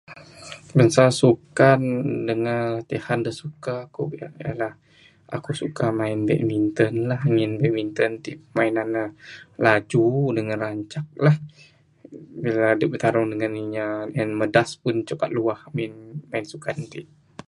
Masa sukan dangan latihan da suka ku ialah aku suka main badminton lah ngin badminton ti tanan ne laju dangan rancakla. Ra dep bitarung dangan inya ngan madas pun capat luah ngin masa sukan ti